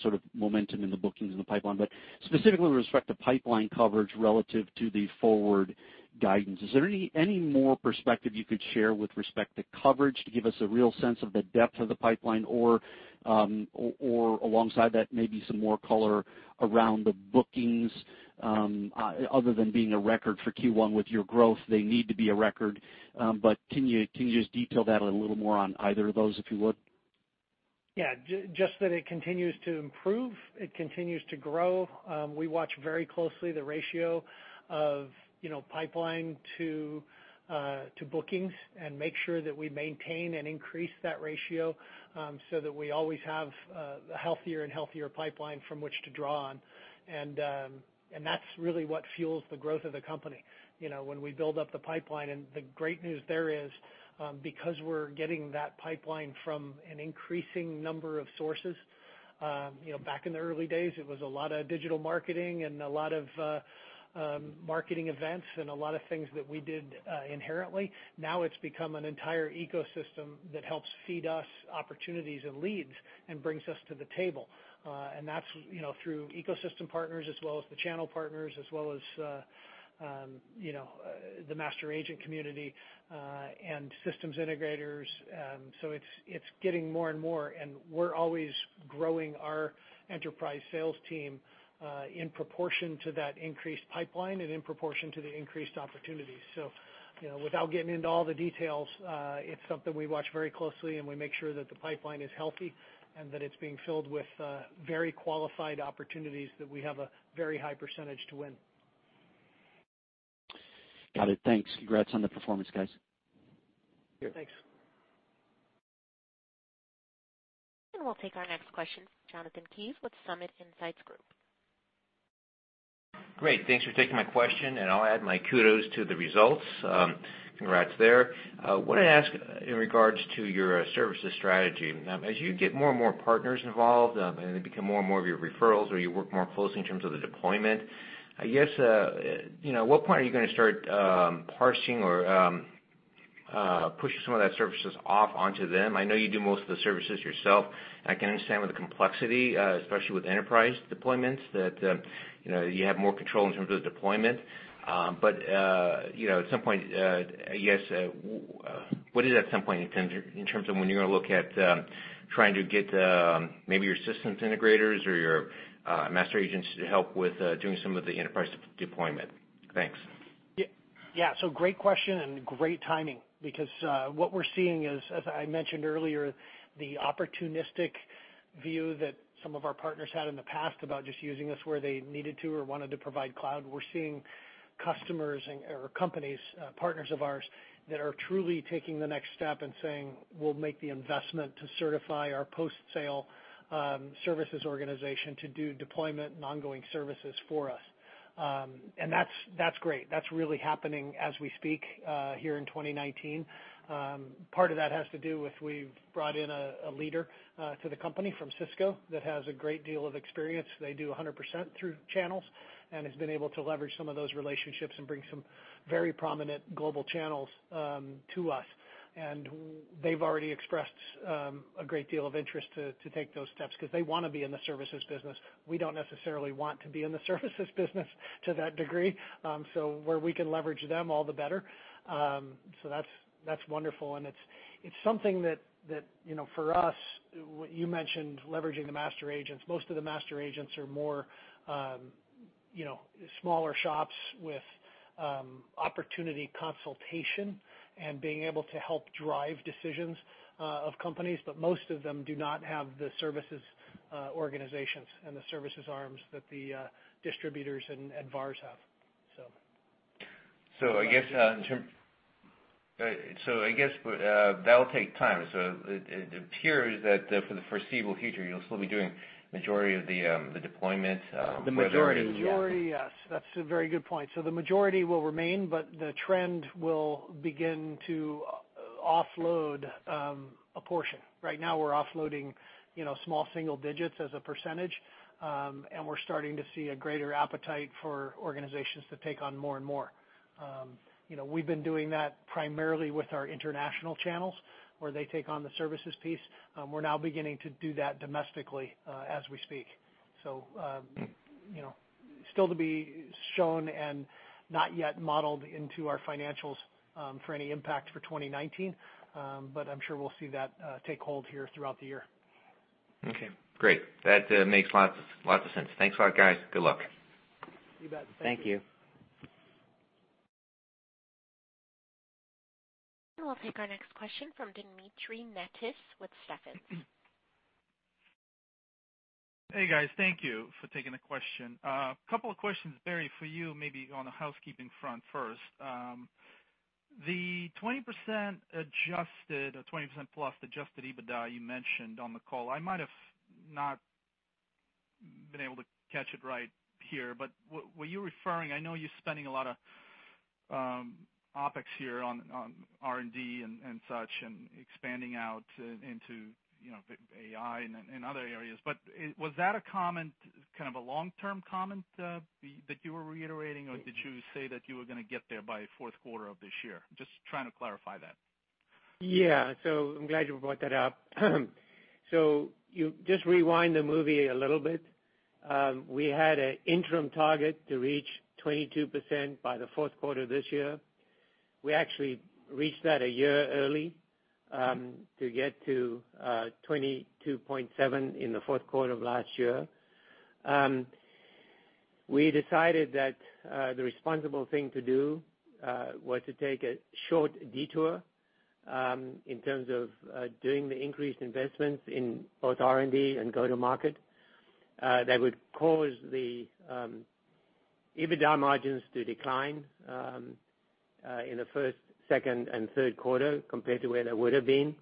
sort of momentum in the bookings in the pipeline. Specifically with respect to pipeline coverage relative to the forward guidance, is there any more perspective you could share with respect to coverage to give us a real sense of the depth of the pipeline or alongside that, maybe some more color around the bookings, other than being a record for Q1 with your growth, they need to be a record. Can you just detail that a little more on either of those, if you would? Yeah. Just that it continues to improve. It continues to grow. We watch very closely the ratio of pipeline to bookings and make sure that we maintain and increase that ratio, so that we always have a healthier and healthier pipeline from which to draw on. That's really what fuels the growth of the company. When we build up the pipeline, the great news there is, because we're getting that pipeline from an increasing number of sources. Back in the early days, it was a lot of digital marketing and a lot of marketing events and a lot of things that we did inherently. Now it's become an entire ecosystem that helps feed us opportunities and leads and brings us to the table. That's through ecosystem partners, as well as the channel partners, as well as the master agent community and systems integrators. It's getting more and more, and we're always growing our enterprise sales team in proportion to that increased pipeline and in proportion to the increased opportunities. Without getting into all the details, it's something we watch very closely, and we make sure that the pipeline is healthy and that it's being filled with very qualified opportunities that we have a very high percentage to win. Got it. Thanks. Congrats on the performance, guys. Thanks. We'll take our next question from Jonathan Kees with Summit Insights Group. Great. Thanks for taking my question. I'll add my kudos to the results. Congrats there. I want to ask in regards to your services strategy. Now, as you get more and more partners involved and they become more and more of your referrals or you work more closely in terms of the deployment, I guess, at what point are you going to start parsing or pushing some of that services off onto them? I know you do most of the services yourself, and I can understand with the complexity, especially with enterprise deployments, that you have more control in terms of the deployment. At some point, I guess, what is that some point in terms of when you're going to look at trying to get maybe your systems integrators or your master agents to help with doing some of the enterprise deployment? Thanks. Great question and great timing, because what we're seeing is, as I mentioned earlier, the opportunistic view that some of our partners had in the past about just using us where they needed to or wanted to provide cloud. We're seeing customers or companies, partners of ours, that are truly taking the next step and saying, "We'll make the investment to certify our post-sale services organization to do deployment and ongoing services for us." That's great. That's really happening as we speak here in 2019. Part of that has to do with we've brought in a leader to the company from Cisco that has a great deal of experience. They do 100% through channels and has been able to leverage some of those relationships and bring some very prominent global channels to us. They've already expressed a great deal of interest to take those steps because they want to be in the services business. We don't necessarily want to be in the services business to that degree. Where we can leverage them, all the better. That's wonderful, and it's something that, for us, you mentioned leveraging the master agents. Most of the master agents are more smaller shops with opportunity consultation and being able to help drive decisions of companies. Most of them do not have the services organizations and the services arms that the distributors and VARs have. I guess that'll take time. It appears that for the foreseeable future, you'll still be doing majority of the deployments- The majority, yes. The majority, yes. That's a very good point. The majority will remain, but the trend will begin to offload a portion. Right now, we're offloading small single digits as a %, and we're starting to see a greater appetite for organizations to take on more and more. We've been doing that primarily with our international channels, where they take on the services piece. We're now beginning to do that domestically as we speak. Still to be shown and not yet modeled into our financials for any impact for 2019, but I'm sure we'll see that take hold here throughout the year. Okay, great. That makes lots of sense. Thanks a lot, guys. Good luck. You bet. Thank you. Thank you. We'll take our next question from Dmitry Netis with Stephens. Hey, guys. Thank you for taking the question. Couple of questions, Barry, for you, maybe on the housekeeping front first. The 20% adjusted or 20% plus adjusted EBITDA you mentioned on the call, I might have not been able to catch it right here. Were you referring-- I know you're spending a lot of OpEx here on R&D and such and expanding out into AI and other areas, was that a comment, kind of a long-term comment that you were reiterating, or did you say that you were going to get there by fourth quarter of this year? Just trying to clarify that. I'm glad you brought that up. You just rewind the movie a little bit. We had an interim target to reach 22% by the fourth quarter this year. We actually reached that a year early to get to 22.7% in the fourth quarter of last year. We decided that the responsible thing to do was to take a short detour in terms of doing the increased investments in both R&D and go-to-market that would cause the EBITDA margins to decline in the first, second, and third quarter compared to where they would have been.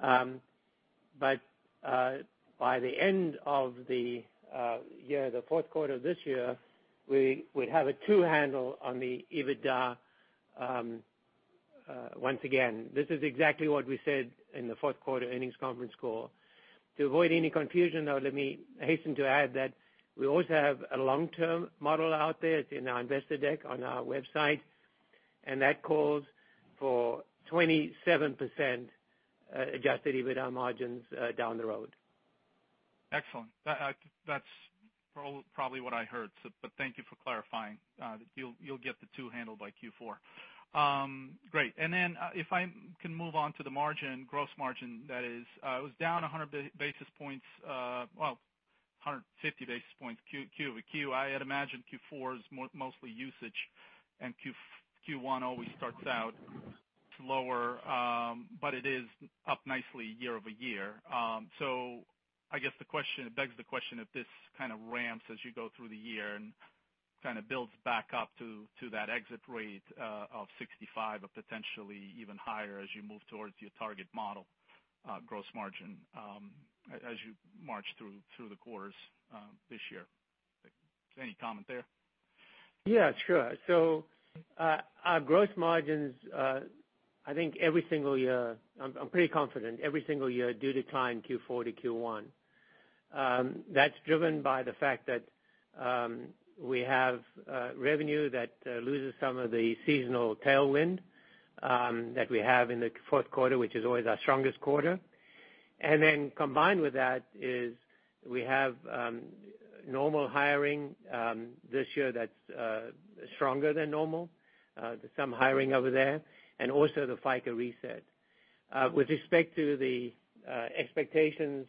By the end of the year, the fourth quarter of this year, we'd have a two-handle on the EBITDA once again. This is exactly what we said in the fourth quarter earnings conference call. To avoid any confusion, though, let me hasten to add that we also have a long-term model out there. It's in our investor deck on our website, and that calls for 27% adjusted EBITDA margins down the road. Excellent. That's probably what I heard. Thank you for clarifying. You'll get the two-handled by Q4. Great. If I can move on to the margin, gross margin that is. It was down 100 basis points, well, 150 basis points Q-over-Q. I had imagined Q4 is mostly usage, and Q1 always starts out lower. It is up nicely year-over-year. I guess it begs the question if this kind of ramps as you go through the year and kind of builds back up to that exit rate of 65%, or potentially even higher as you move towards your target model gross margin, as you march through the quarters this year. Any comment there? Sure. Our gross margins, I'm pretty confident every single year do decline Q4 to Q1. That's driven by the fact that we have revenue that loses some of the seasonal tailwind that we have in the fourth quarter, which is always our strongest quarter. Combined with that is we have normal hiring this year that's stronger than normal, there's some hiring over there, and also the FICA reset. With respect to the expectations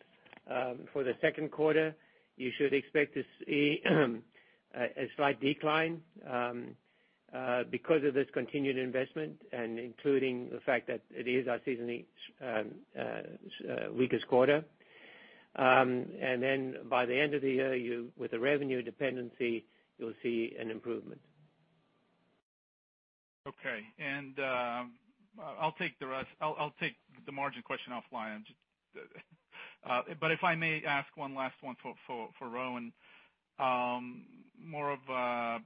for the second quarter, you should expect to see a slight decline because of this continued investment and including the fact that it is our seasonally weakest quarter. By the end of the year, with the revenue dependency, you'll see an improvement. Okay. I'll take the margin question offline. If I may ask one last one for Rowan. More of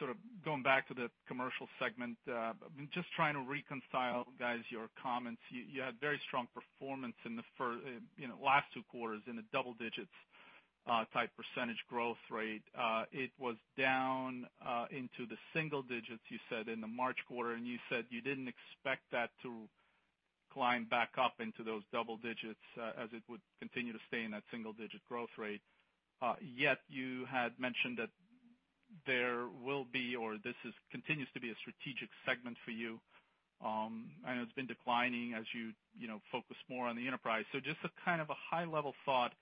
sort of going back to the commercial segment. I'm just trying to reconcile, guys, your comments. You had very strong performance in the last two quarters in the double digits type percentage growth rate. It was down into the single digits, you said, in the March quarter, and you said you didn't expect that to climb back up into those double digits as it would continue to stay in that single-digit growth rate. You had mentioned that there will be, or this continues to be a strategic segment for you, and it's been declining as you focus more on the enterprise. Just a kind of a high-level thought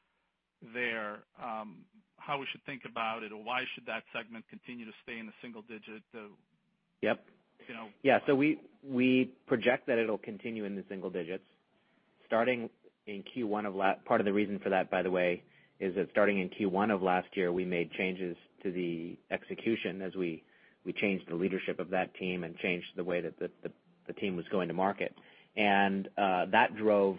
there, how we should think about it or why should that segment continue to stay in the single digit? We project that it'll continue in the single digits. Part of the reason for that, by the way, is that starting in Q1 of last year, we made changes to the execution as we changed the leadership of that team and changed the way that the team was going to market. That drove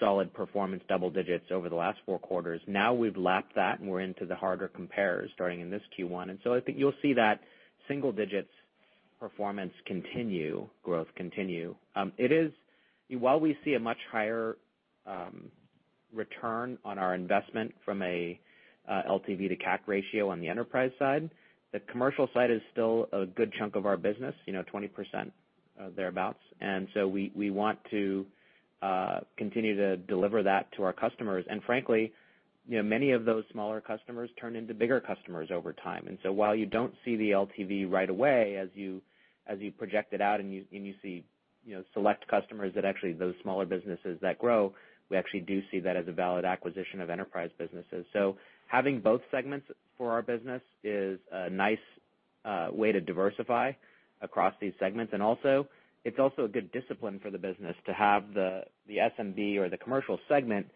solid performance, double digits over the last four quarters. Now we've lapped that and we're into the harder compares starting in this Q1. I think you'll see that single digits performance growth continue. While we see a much higher return on our investment from a LTV to CAC ratio on the enterprise side, the commercial side is still a good chunk of our business, 20% thereabouts. We want to continue to deliver that to our customers. Frankly, many of those smaller customers turn into bigger customers over time. While you don't see the LTV right away, as you project it out and you see select customers that actually those smaller businesses that grow, we actually do see that as a valid acquisition of enterprise businesses. Having both segments for our business is a nice way to diversify across these segments. It's also a good discipline for the business to have the SMB or the commercial segment,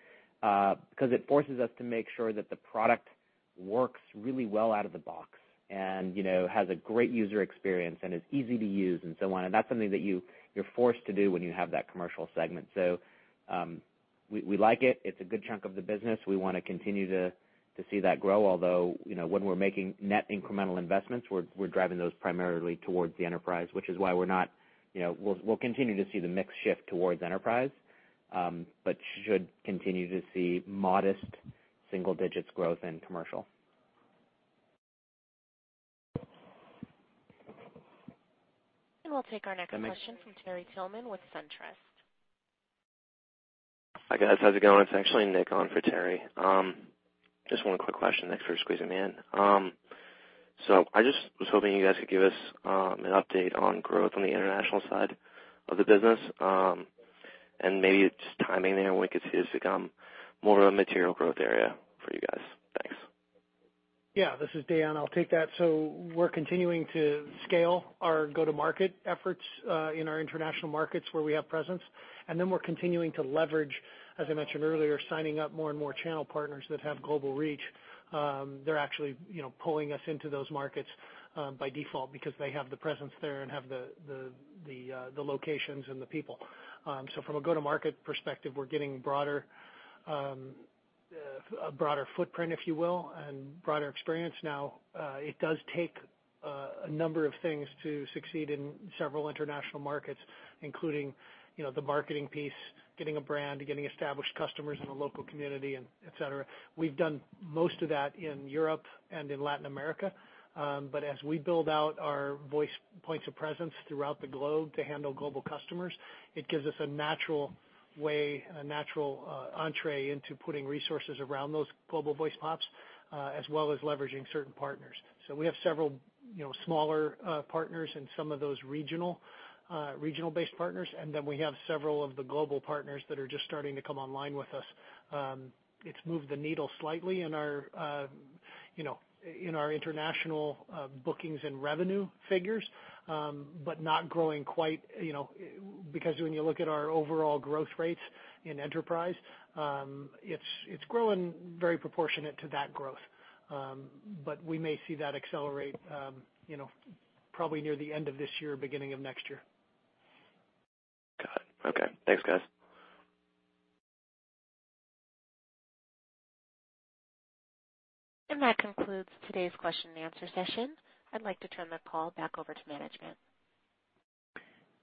because it forces us to make sure that the product works really well out of the box and has a great user experience and is easy to use and so on. That's something that you're forced to do when you have that commercial segment. We like it. It's a good chunk of the business. We want to continue to see that grow, although, when we're making net incremental investments, we're driving those primarily towards the enterprise, which is why we'll continue to see the mix shift towards enterprise. Should continue to see modest single digits growth in commercial. We'll take our next question from Terry Tillman with SunTrust. Hi, guys. How's it going? It's actually Nick on for Terry. Just one quick question. Thanks for squeezing me in. I just was hoping you guys could give us an update on growth on the international side of the business. Maybe just timing there on when we could see this become more of a material growth area for you guys. Thanks. Yeah. This is Dan, I'll take that. We're continuing to scale our go-to-market efforts in our international markets where we have presence. Then we're continuing to leverage, as I mentioned earlier, signing up more and more channel partners that have global reach. They're actually pulling us into those markets by default because they have the presence there and have the locations and the people. From a go-to-market perspective, we're getting a broader footprint, if you will, and broader experience now. It does take a number of things to succeed in several international markets, including the marketing piece, getting a brand, getting established customers in the local community, et cetera. We've done most of that in Europe and in Latin America. As we build out our voice points of presence throughout the globe to handle global customers, it gives us a natural way and a natural entrée into putting resources around those global voice PoPs, as well as leveraging certain partners. We have several smaller partners and some of those regional-based partners, and then we have several of the global partners that are just starting to come online with us. It's moved the needle slightly in our international bookings and revenue figures, but not growing quite because when you look at our overall growth rates in enterprise, it's growing very proportionate to that growth. We may see that accelerate probably near the end of this year, beginning of next year. Got it. Okay. Thanks, guys. That concludes today's question and answer session. I'd like to turn the call back over to management.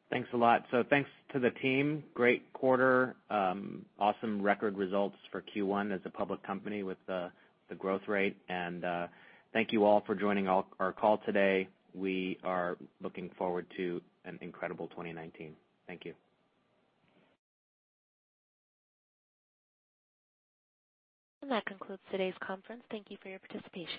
Thanks a lot. Thanks to the team. Great quarter. Awesome record results for Q1 as a public company with the growth rate. Thank you all for joining our call today. We are looking forward to an incredible 2019. Thank you. That concludes today's conference. Thank you for your participation.